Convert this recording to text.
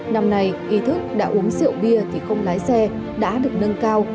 năm nay ý thức đã uống rượu bia thì không lái xe đã được nâng cao